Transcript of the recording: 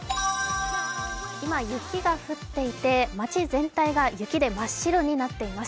今雪が降っていて、町全体が雪で真っ白になっています。